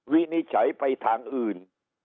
วินิจฉัยไปทางอื่น